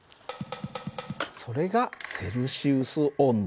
それがセルシウス温度。